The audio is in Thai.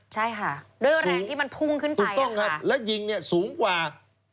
ใช่ค่ะด้วยแรงที่มันพุ่งขึ้นไปถูกต้องครับแล้วยิงเนี่ยสูงกว่า